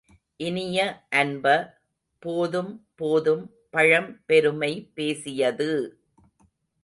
இனிய அன்ப, போதும் போதும் பழம்பெருமை பேசியது!